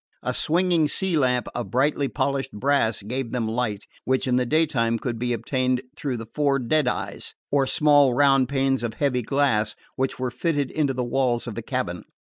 A swinging sea lamp of brightly polished brass gave them light, which in the daytime could be obtained through the four deadeyes, or small round panes of heavy glass which were fitted into the walls of the cabin.